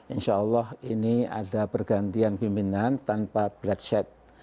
insya allah ini ada pergantian pimpinan tanpa bradshet